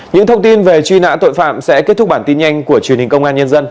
những thông tin về truy nã tội phạm sẽ kết thúc bản tin nhanh của truyền hình công an nhân dân